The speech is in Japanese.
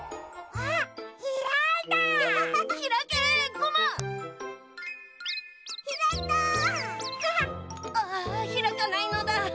あひらかないのだ！